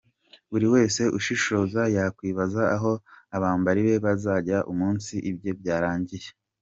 Buri wese ushishoza yakwibaza aho abambari be bazajya umunsi ibye byarangiye.